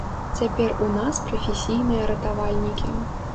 Цяпер у нас прафесійныя ратавальнікі.